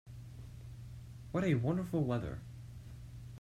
What a wonderful weather!